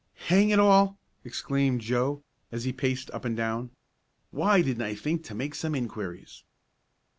"Hang it all!" exclaimed Joe, as he paced up and down, "why didn't I think to make some inquiries?"